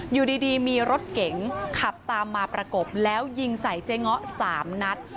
อยู่ดีมีรถเก๋งขับตามมาประกบแล้วยิงใส่เจ๊ง้อ๓นัด